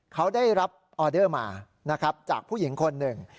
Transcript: เขาได้รับออเดอร์มานะครับจากผู้หญิงคนหนึ่ง